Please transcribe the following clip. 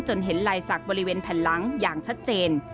เห็นลายสักบริเวณแผ่นหลังอย่างชัดเจน